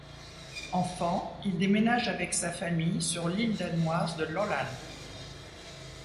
Enfant, il déménage avec sa famille sur l'île danoise de Lolland.